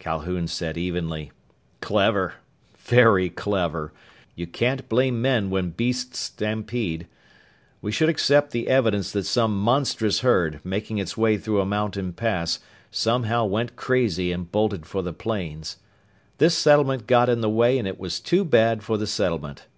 Calhoun said evenly, "Clever! Very clever! You can't blame men when beasts stampede. We should accept the evidence that some monstrous herd, making its way through a mountain pass, somehow went crazy and bolted for the plains. This settlement got in the way and it was too bad for the settlement!